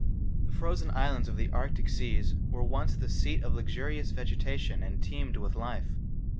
The frozen islands of the Arctic seas were once the seat of luxurious vegetation and teemed with life.